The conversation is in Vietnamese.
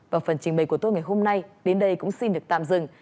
và phần trình bày của tôi ngày hôm nay đến đây cũng xin được tạm dừng